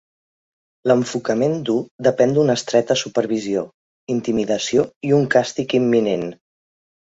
L'enfocament dur depèn d'una estreta supervisió, intimidació i un càstig imminent.